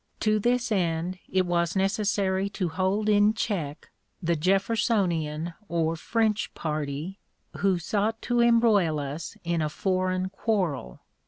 To this end it was necessary to hold in check the Jeffersonian or French party, who sought to embroil us in a foreign quarrel.